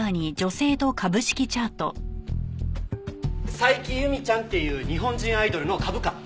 サイキ♥ユミちゃんっていう日本人アイドルの株価。